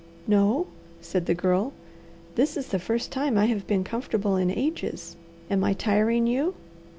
"No," said the Girl. "This is the first time I have been comfortable in ages. Am I tiring you?"